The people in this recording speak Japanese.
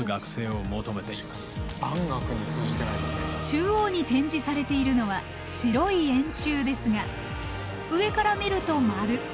中央に展示されているのは白い円柱ですが上から見ると丸。